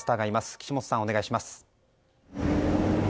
岸本さん、お願いします。